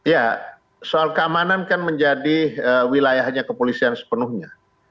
ya soal keamanan kan menjadi wilayahnya kepolisian sepenuhnya